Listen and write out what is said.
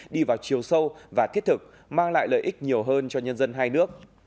đi vào chiều sâu và thiết thực mang lại lợi ích nhiều hơn cho nhân dân hai nước